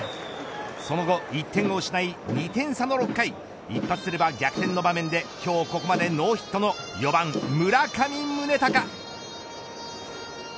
その後１点を失い２点差の６回一発出れば逆転の場面で今日ここまでノーヒットの４番村上宗隆。